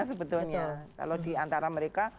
sebetulnya kalau diantara mereka